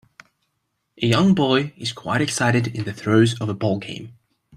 A young boy is quite excited in the throes of a ballgame